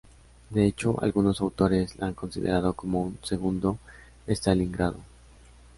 De hecho, algunos autores la han considerado como un "segundo Stalingrado".